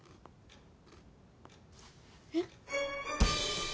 えっ？